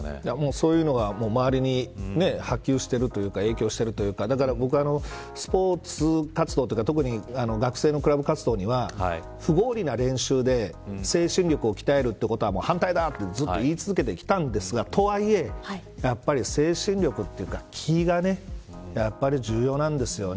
そういうのは周りに波及しているというか影響してるというかだから僕はスポーツ活動というか特に学生のクラブ活動では不合理な練習で精神力を鍛えるということは反対だとずっと言い続けてきたんですがとはいえ、精神力というか気が重要なんですよね。